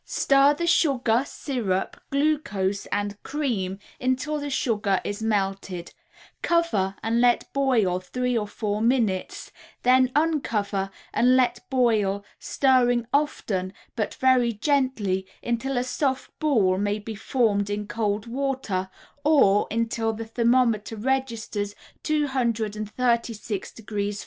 Stir the sugar, syrup, glucose and cream until the sugar is melted, cover and let boil three or four minutes, then uncover and let boil stirring often but very gently until a soft ball may be formed in cold water, or, until the thermometer registers 236° F.